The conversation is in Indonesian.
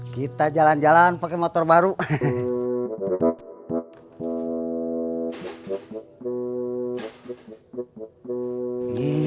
kita jalan jalan pakai motor baru